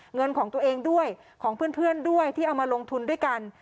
เงินของตัวเองด้วยของเพื่อนด้วยที่เอามาลงทุนด้วยกัน